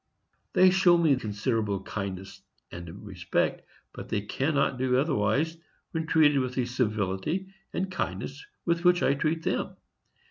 They show me considerable kindness and respect; but they cannot do otherwise, when treated with the civility and kindness with which I treat them.